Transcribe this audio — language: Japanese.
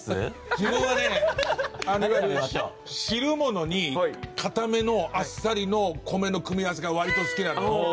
自分はねいわゆる汁物に硬めのあっさりの米の組み合わせが割と好きなの。